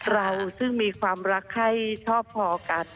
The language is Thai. เราซึ่งมีความรักให้ชอบพอกัน